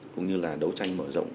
cũng như là đấu tranh mở rộng